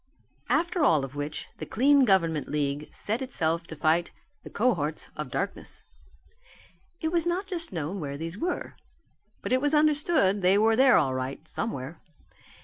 After all of which the Clean Government League set itself to fight the cohorts of darkness. It was not just known where these were. But it was understood that they were there all right, somewhere.